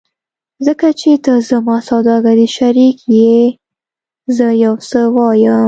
ځکه چې ته زما سوداګریز شریک یې زه یو څه وایم